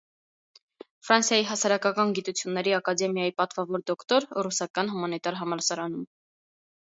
Ֆրանսիայի հասարակական գիտությունների ակադեմիայի պատվավոր դոկտոր ռուսական հումանիտար համալսարանում։